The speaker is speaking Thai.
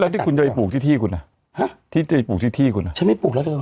ที่คุณจะไปปลูกที่ที่คุณอ่ะฮะที่จะไปปลูกที่ที่คุณอ่ะฉันไม่ปลูกแล้วเธอ